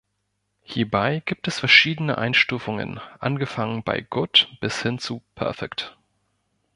Hierbei gibt es verschiedene Einstufungen, angefangen bei „Good“ bis hin zu „Perfect“.